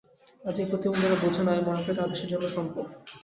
কাজেই প্রতিবন্ধীরা বোঝা নয়, আমি মনে করি, তারা দেশের জন্য সম্পদ।